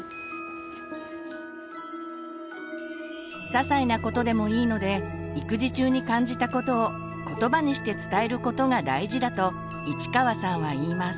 ささいなことでもいいので育児中に感じたことをことばにして伝えることが大事だと市川さんは言います。